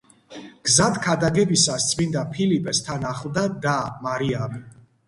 გზად ქადაგებისას წმინდა ფილიპეს თან ახლდა და, მარიამი.